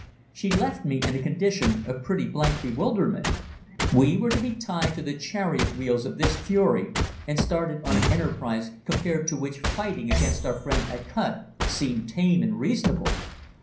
She left me in a condition of pretty blank bewilderment. We were to be tied to the chariot wheels of this fury, and started on an enterprise compared to which fighting against our friends at Kut seemed tame and reasonable.